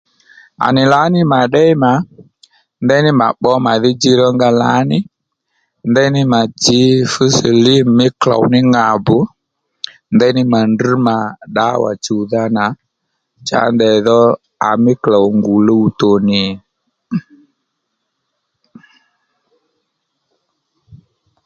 À nì lǎní mà ddéy mà ndeyní mà pbǒ màdhí djiy rónga lǎní ndeyní mà tsǐ fú silímù mí klôw ní ŋàbù ndeyní mà drŕ mà dǎwà chùwdha nà cha ndèy dho àmí klôw ngù luwtò nì